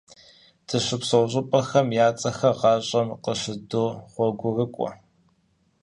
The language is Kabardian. Дыщыпсэу щӀыпӀэхэм я цӀэхэр гъащӀэм къыщыддогъуэгурыкӀуэ.